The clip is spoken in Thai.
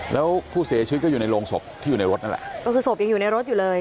แล้วผู้เสียชีวิตก็อยู่ในโรงศพที่อยู่ในรถนั่นแหละก็คือศพยังอยู่ในรถอยู่เลย